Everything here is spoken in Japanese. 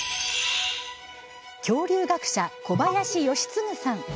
恐竜学者、小林快次さん。